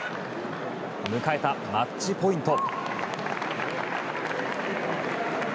迎えたマッチポイント。